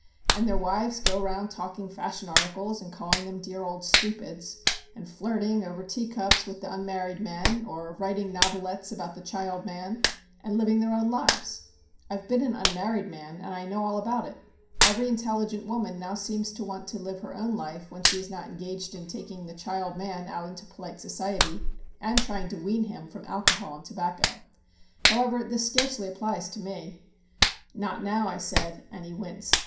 And their wives go round talking fashion articles, and calling them dear old stupids, and flirting over teacups with the unmarried men, or writing novelettes about the child man, and living their own lives. I've been an unmarried man and I know all about it. Every intelligent woman now seems to want to live her own life when she is not engaged in taking the child man out into polite society, and trying to wean him from alcohol and tobacco. However, this scarcely applies to me." "Not now," I said. And he winced.